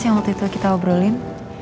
yang waktu itu kita obrolin